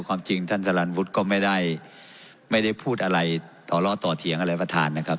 ความจริงท่านสลันวุฒิก็ไม่ได้พูดอะไรต่อล้อต่อเถียงอะไรประธานนะครับ